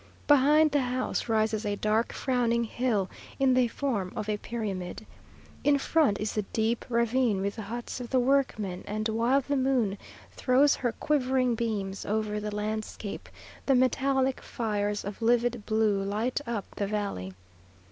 Behind the house rises a dark frowning hill, in the form of a pyramid. In front is the deep ravine, with the huts of the workmen, and while the moon throws her quivering beams over the landscape, the metallic fires of livid blue light up the valley.